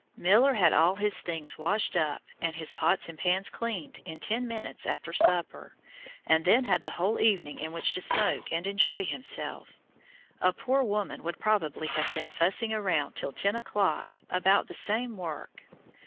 Miller had all his things "washed up" and his "pots and pans" cleaned in ten minutes after supper, and then had the whole evening in which to smoke and enjoy himself a poor woman would probably have been "fussing round" till 10 o'clock about the same work.